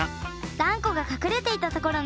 ダンコがかくれていたところね。